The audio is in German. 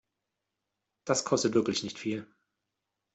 Das kostet wirklich nicht viel.